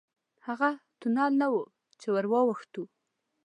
هغه تونل نه و چې ورواوښتو.